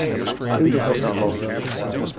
He does not know love.